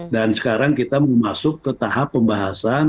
dan sekarang kita mau masuk ke tahap pembahasan tiga